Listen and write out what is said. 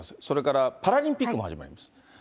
それからパラリンピックも始まります。